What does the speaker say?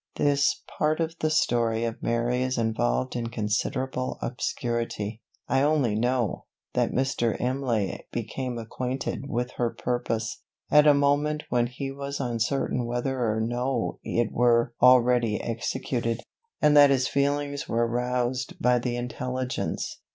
This part of the story of Mary is involved in considerable obscurity. I only know, that Mr. Imlay became acquainted with her purpose, at a moment when he was uncertain whether or no it were already executed, and that his feelings were roused by the intelligence.